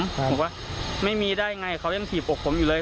ผมว่าไม่มีได้ไงเขายังถีบอกผมอยู่เลย